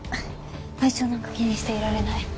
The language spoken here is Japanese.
体調なんか気にしていられない。